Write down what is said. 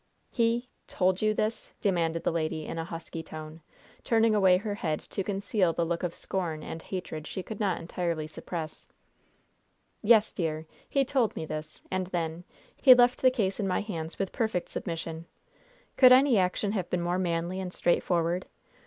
"He told you this?" demanded the lady, in a husky tone, turning away her head to conceal the look of scorn and hatred she could not entirely suppress. "Yes, dear! he told me this; and then he left the case in my hands with perfect submission. Could any action have been more manly and straightforward?